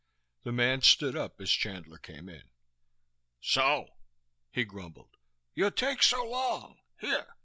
The man stood up as Chandler came in. "So," he grumbled, "you take so long! Here.